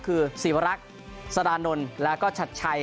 คือศิวรักษ์สดานนท์แล้วก็ชัดชัย